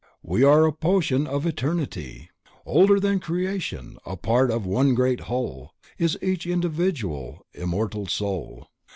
We are a portion of Eternity Older than Creation, a part of One Great Whole, Is each Individual and immortal Soul.